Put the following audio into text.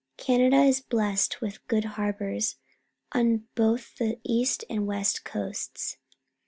Canada is blessed with good harbours on both the east and west coasts.